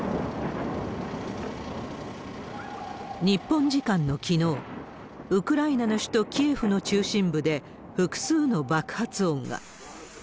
日本時間のきのう、ウクライナの首都キエフの中心部で複数の爆発音が。